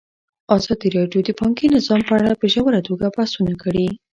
ازادي راډیو د بانکي نظام په اړه په ژوره توګه بحثونه کړي.